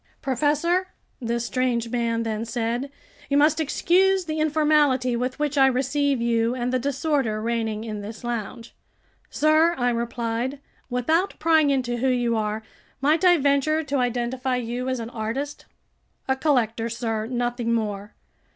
"Professor," this strange man then said, "you must excuse the informality with which I receive you, and the disorder reigning in this lounge." "Sir," I replied, "without prying into who you are, might I venture to identify you as an artist?" "A collector, sir, nothing more.